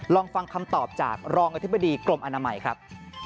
ลองฟังคำตอบจากรองอธิบดีกรมอนามัยครับ